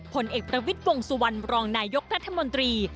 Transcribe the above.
ผลเอกประวิทย์วงสุวรรณรองนายกรัฐมนตรี